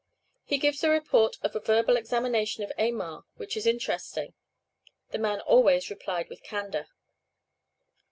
He gives a report of a verbal examination of Aymar which is interesting. The man always replied with candor.